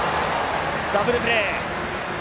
ダブルプレー。